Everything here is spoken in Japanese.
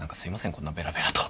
こんなベラベラと。